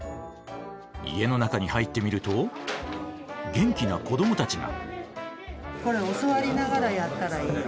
家の中に入ってみると元気な子どもたちが。